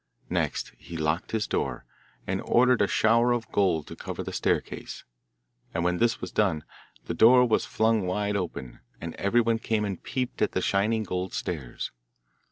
Next he locked his door, and ordered a shower of gold to cover the staircase, and when this was done, the door was flung wide open, and everyone came and peeped at the shining golden stairs.